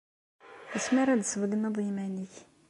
Asmi ara d-tesbeyyneḍ iman-ik.